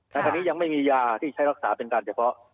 แต่ตอนนี้ยังไม่มียาที่ใช้รักษาเป็นการเฉพาะ